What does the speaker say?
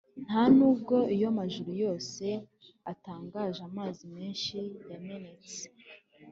ntanubwo iyo amajuru yose atangaje amazi menshi yamenetse.